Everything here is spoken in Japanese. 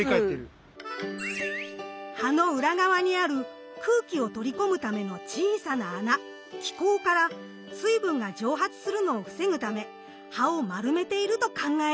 葉の裏側にある空気を取り込むための小さな穴「気孔」から水分が蒸発するのを防ぐため葉を丸めていると考えられるのです。